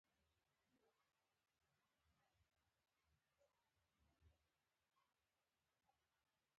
ډګروال د خپلو کسانو په منځ کې د ښه مشرتابه شهرت لري.